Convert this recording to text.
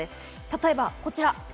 例えばこちら。